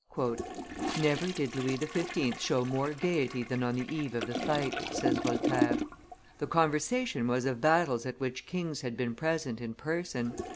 "Never did Louis XV. show more gayety than on the eve of the fight," says Voltaire. "The conversation was of battles at which kings had been present in person.